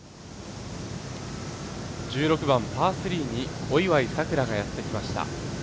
１６番パー３に小祝さくらがやってきました。